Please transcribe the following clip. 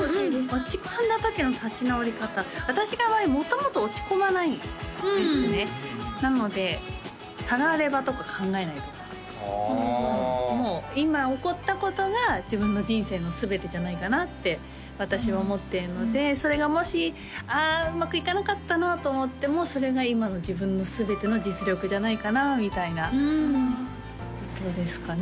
落ち込んだ時の立ち直り方私が元々落ち込まないんですねなのでたらればとか考えないとかああもう今起こったことが自分の人生の全てじゃないかなって私は思ってるのでそれがもしああうまくいかなかったなと思ってもそれが今の自分の全ての実力じゃないかなみたいなことですかね